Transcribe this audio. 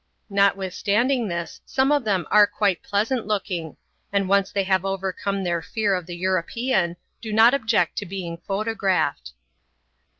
Notwithstanding this some of them are quite pleasant looking, and once they have overcome their fear of the European, do not object to being photographed.